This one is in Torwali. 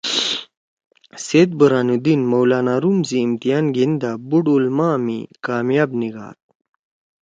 سید برہان الدین مولانا روم سی امتحان گھیِن دا بُوڑ علما می کامیاب نیِگھاد۔